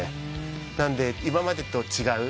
なので今までと違う。